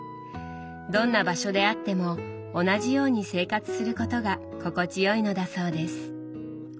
どんな場所であっても同じように生活することが心地よいのだそうです。